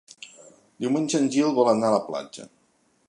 Diumenge en Gil vol anar a la platja.